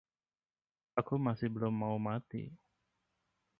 Aku masih belum mau mati.